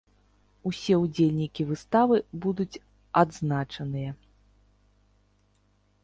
Усе ўдзельнікі выставы будуць адзначаныя.